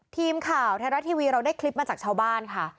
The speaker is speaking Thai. ทีมข่าวไทยรัฐทีวีเราได้คลิปมาจากชาวบ้านค่ะ